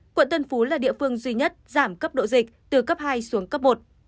quận tân phú là địa phương duy nhất giảm cấp độ dịch từ cấp hai xuống cấp một